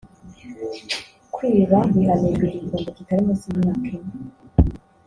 kwiba bihanishwa igifungo kitari munsi yimyaka ine